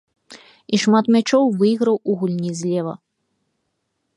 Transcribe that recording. І шмат мячоў выйграў у гульні злева.